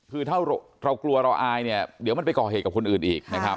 คือถ้าเกลียดเราอายด้วยมันเดี๋ยวมันไปก่อเหตุกับคนอื่น